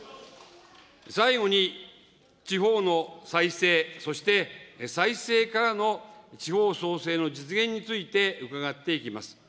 最後に、地方の再生、そして再生からの地方創生の実現について、伺っていきます。